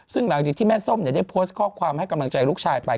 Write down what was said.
ซึ่งหลังจากที่แม่ส้มได้โพสต์ข้อความให้กำลังใจลูกชายไป